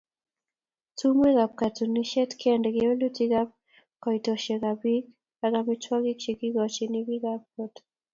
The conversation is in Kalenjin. Tumwekab katunisiet kende kewelutikab koitosiekab bik ak amitwogik kekochin bikap got